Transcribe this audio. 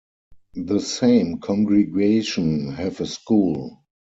The same congregation have a school.